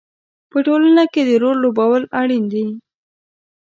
په ټولنه کې د رول لوبول اړین دي.